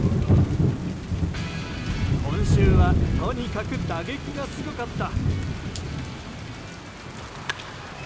今週はとにかく打撃がすごかった。